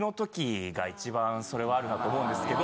一番それはあるなと思うんですけど。